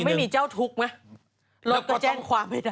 ไม่มีเจ้าทุกข์ไหมรถก็แจ้งความไม่ได้